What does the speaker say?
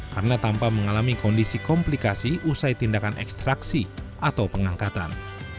karena tanpa mengalami kondisi komplikasi usai tindakan ekstraksi atau pengangkatan